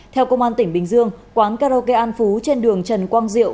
theo công an tỉnh bình dương quán karaoke an phú trên đường trần quang diệu